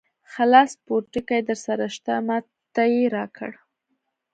خلاص پوټکی درسره شته؟ ما ته یې راکړ.